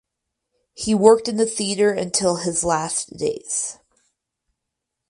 He worked in the theater until his last days.